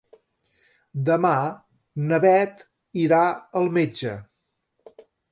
Demà na Bet irà al metge.